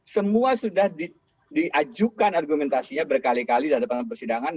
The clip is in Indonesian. semua sudah diajukan argumentasinya berkali kali di hadapan persidangan